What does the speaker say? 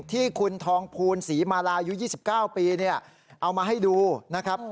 ที่คุณทองภูลศรีมาลายุ๒๙ปีเนี่ยเอามาให้ดูนะครับ